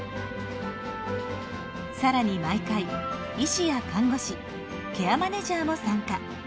更に毎回医師や看護師ケアマネジャーも参加。